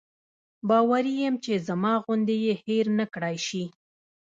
باوري یم چې زما غوندې یې هېر نکړای شي.